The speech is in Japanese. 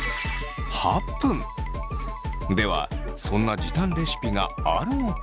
ではそんな時短レシピがあるのか？